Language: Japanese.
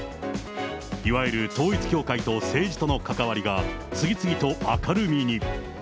いわゆる統一教会と政治との関わりが、次々と明るみに。